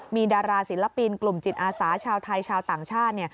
มีดาราศิลปินกลุ่มจิตอาสาชาวไทยชาวต่างชาติ